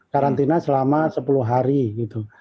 karantina selama sepuluh hari gitu